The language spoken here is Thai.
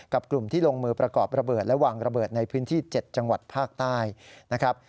กลุ่มที่ลงมือประกอบระเบิดและวางระเบิดในพื้นที่๗จังหวัดภาคใต้นะครับ